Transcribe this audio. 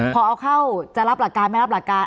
พอเอาเข้าจะรับหลักการไม่รับหลักการ